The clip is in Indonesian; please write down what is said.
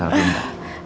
sebelah sini ya